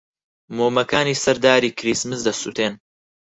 مۆمەکانی سەر داری کریسمس دەسووتێن.